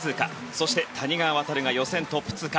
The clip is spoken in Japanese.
そして、谷川航が予選トップ通過。